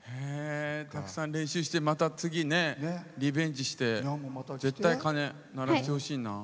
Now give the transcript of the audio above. たくさん練習してまた次、リベンジして絶対、鐘、鳴らしてほしいな。